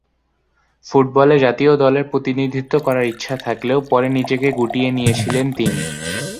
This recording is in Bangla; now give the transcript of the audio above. ফুটবলে জাতীয় দলের প্রতিনিধিত্ব করার ইচ্ছা থাকলেও পরে নিজেকে গুটিয়ে নিয়েছেন তিনি।